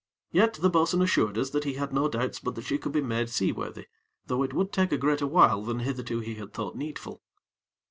Yet the bo'sun assured us that he had no doubts but that she could be made seaworthy, though it would take a greater while than hitherto he had thought needful.